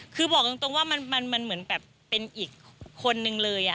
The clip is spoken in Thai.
คือบอกตรงว่ามันเหมือนแบบเป็นอีกคนนึงเลย